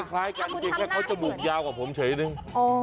คล้ายกันแค่เขาจมูกยาวกับผมเฉยนึง